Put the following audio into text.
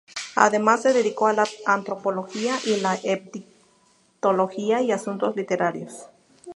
Además se dedicó a la antropología y la egiptología y a asuntos literarios.